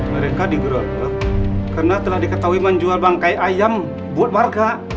mereka digerak karena telah diketahui menjual bangkai ayam buat warga